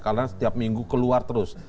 karena setiap minggu keluar terus